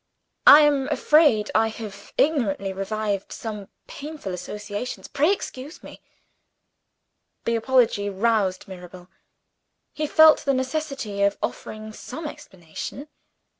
"I am afraid I have ignorantly revived some painful associations. Pray excuse me." The apology roused Mirabel: he felt the necessity of offering some explanation.